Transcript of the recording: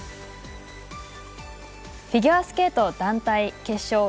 フィギュアスケート団体決勝